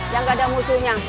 yang gak ada musuhnya